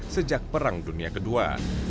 sejak perang dunia ii